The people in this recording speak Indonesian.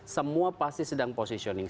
semua pasti sedang positioning